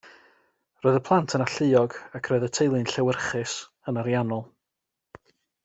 Roedd y plant yn alluog ac roedd y teulu'n llewyrchus, yn ariannol.